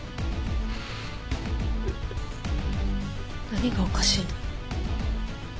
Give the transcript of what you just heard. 何がおかしいの？